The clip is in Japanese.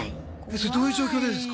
それどういう状況でですか？